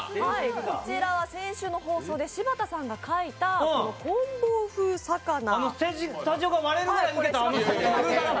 こちらは先週の放送で柴田さんが描いた、こん棒風さかな。